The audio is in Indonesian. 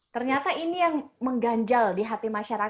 ternyata ini yang mengganjal di hati masyarakat